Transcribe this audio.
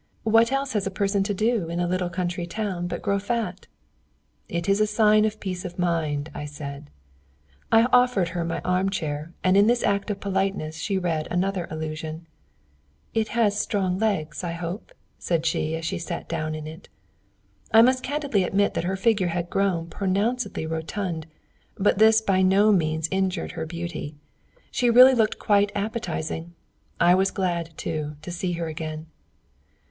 What else has a person to do in a little country town but grow fat?" "It is a sign of peace of mind," I said. I offered her my arm chair, and in this act of politeness she read another allusion. "It has good strong legs, I hope?" said she, as she sat down in it. I must candidly admit that her figure had grown pronouncedly rotund, but this by no means injured her beauty. She really looked quite appetizing! I was very glad, too, to see her again.